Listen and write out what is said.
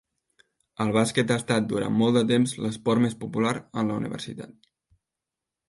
El bàsquet ha estat durant molt de temps l'esport més popular en la universitat.